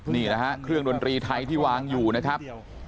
นี่นะฮะเครื่องดนตรีไทยที่วางอยู่นะครับ